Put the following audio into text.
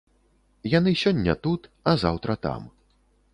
Яны сёння тут, а заўтра там.